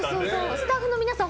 スタッフの皆さん